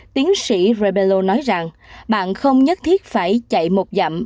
tiến sĩ rabello nói rằng bạn không nhất thiết phải chạy một dặm